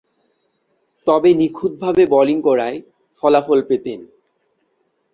তবে নিখুঁতভাবে বোলিং করায় ফলাফল পেতেন।